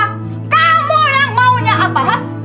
kamu yang maunya apa